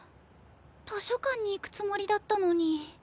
図書館に行くつもりだったのに。